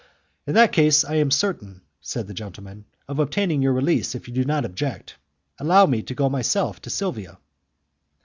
"In that case I am certain," said the gentleman, "of obtaining your release if you do not object. Allow me to go myself to Silvia."